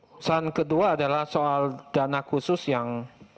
pesan kedua adalah soal dana khusus yang